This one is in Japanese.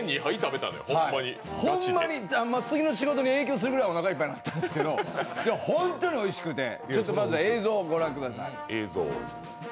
ホンマに、次の仕事に影響するくらいおなかいっぱいになったんですが、本当においしくて、まずは映像をご覧ください。